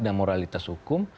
dan moralitas hukum